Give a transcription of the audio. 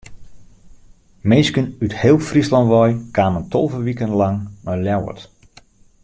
Minsken út heel Fryslân wei kamen tolve wiken lang nei Ljouwert.